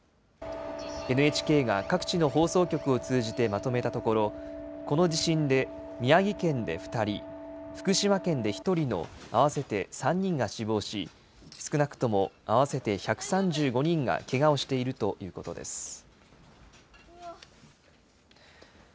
ＮＨＫが各地の放送局を通じてまとめたところこの地震で宮城県で２人、福島県で１人の合わせて３人が死亡し少なくとも合わせて１３５人がけがをしているということです。